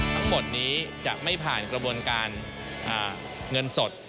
ทั้งหมดนี้จะไม่ผ่านกระบวนการเงินสด